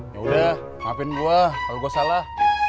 yaudah maafin gue kalau gue salah